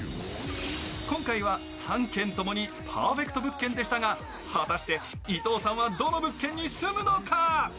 今回は３軒ともにパーフェクト物件でしたが、果たして伊藤さんはどの物件に住むのか？